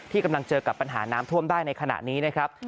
กำลังเจอกับปัญหาน้ำท่วมได้ในขณะนี้นะครับ